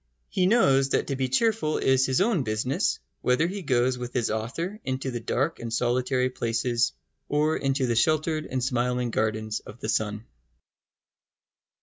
He knows that to be cheerful is his own business, whether he goes with his author into the dark and solitary places or into the sheltered and smiling gardens of the sun.